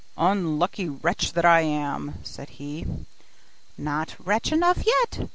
'Unlucky wretch that I am!' said he. 'Not wretch enough yet!